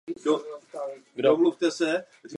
Psal příběhy z leteckého prostředí většinou určené mládeži.